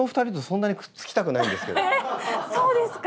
そうですか？